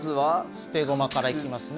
捨て駒から行きますね。